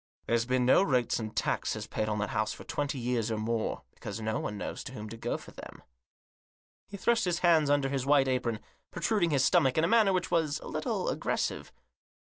There's been no rates and taxes paid on that house for twenty years or more ; because no one knows to whom to go for them." He thrust his hands under his white apron, pro truding his stomach in a manner which was a little aggressive.